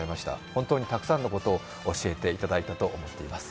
本当にたくさんのことを教えていただいたと思っています。